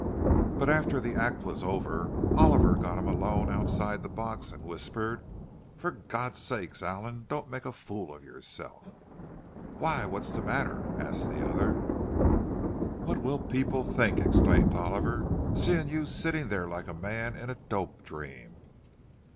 But after the act was over, Oliver got him alone outside the box, and whispered, "For God's sake, Allan, don't make a fool of yourself." "Why, what's the matter?" asked the other. "What will people think," exclaimed Oliver, "seeing you sitting there like a man in a dope dream?"